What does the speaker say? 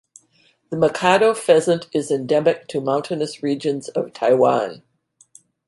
The Mikado pheasant is endemic to mountainous regions of Taiwan.